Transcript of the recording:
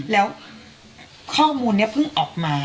แล้วข้อมูลนี้เพิ่งออกมา